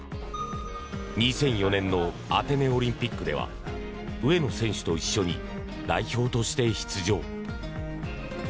２００４年のアテネオリンピックでは上野選手と一緒に代表として出場。